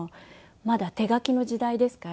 まだ手書きの時代ですから。